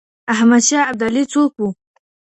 احمد شاه ابدالي څوک و؟